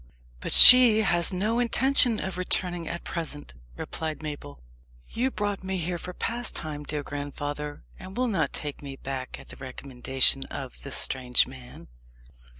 "But she has no intention of returning at present," replied Mabel. "You brought me here for pastime, dear grandfather, and will not take me back at the recommendation of this strange man?"